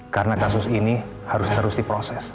karena kasus ini harus terus diproses